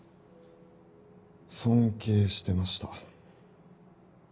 尊敬してました。